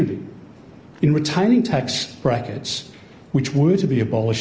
dalam mengembangkan raket raket yang harus diubah